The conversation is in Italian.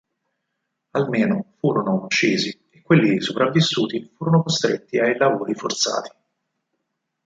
Almeno furono uccisi e quelli sopravvissuti furono costretti ai lavori forzati.